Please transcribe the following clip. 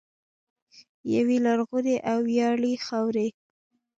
یوې لرغونې او ویاړلې خاورې.